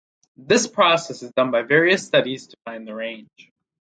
This process is done by various studies to find the range.